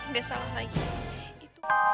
gak salah lagi